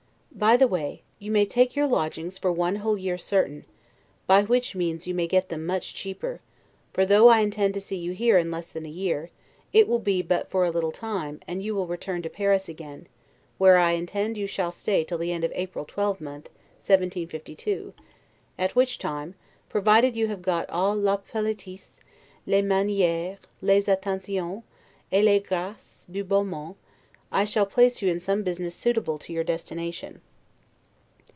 By the way, you may take your lodgings for one whole year certain, by which means you may get them much cheaper; for though I intend to see you here in less than a year, it will be but for a little time, and you will return to Paris again, where I intend you shall stay till the end of April twelvemonth, 1752, at which time, provided you have got all 'la politesse, les manieres, les attentions, et les graces du beau monde', I shall place you in some business suitable to your destination.